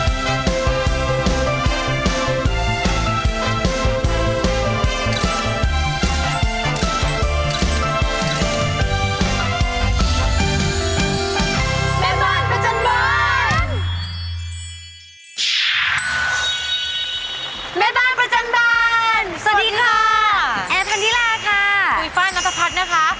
สวัสดีค่ะแอร์พันธิลาค่ะคุยฝ้านนัทภัทรนะคะ